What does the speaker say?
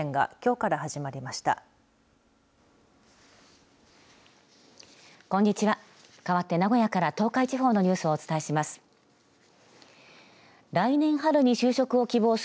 かわって名古屋から東海地方のニュースをお伝えします。